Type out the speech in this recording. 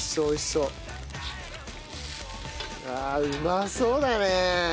うわうまそうだね！